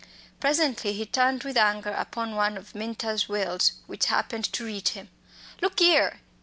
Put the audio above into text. Presently he turned with anger upon one of Minta's wails which happened to reach him. "Look 'ere!"